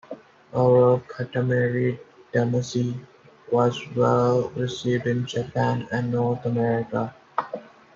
Overall, "Katamari Damacy" was well received in Japan and North America.